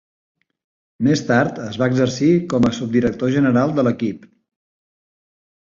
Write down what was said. Més tard es va exercir com a subdirector general de l'equip.